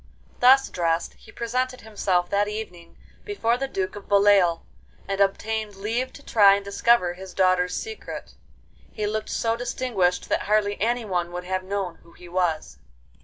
Thus dressed, he presented himself that evening before the Duke of Beloeil, and obtained leave to try and discover his daughters' secret. He looked so distinguished that hardly anyone would have known who he was.